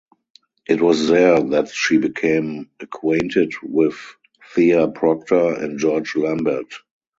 It was there that she became acquainted with Thea Proctor and George Lambert.